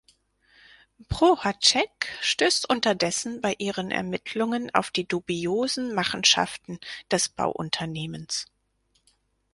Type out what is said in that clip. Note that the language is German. Prohacek stößt unterdessen bei ihren Ermittlungen auf die dubiosen Machenschaften des Bauunternehmens.